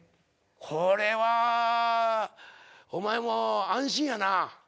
これはお前も安心やな。